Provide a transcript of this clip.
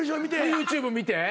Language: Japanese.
ＹｏｕＴｕｂｅ見て？